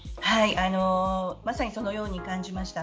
まさにそのように感じました。